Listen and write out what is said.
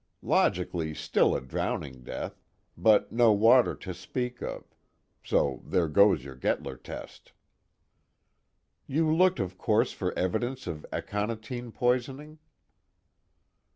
Logically still a drowning death, but no water to speak of, so there goes your Gettler test." "You looked of course for evidence of aconitine poisoning?"